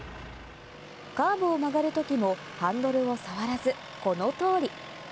カーブを曲がるときもハンドルを触らず、この通り。